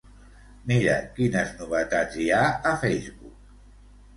Mira quines novetats hi ha a Facebook.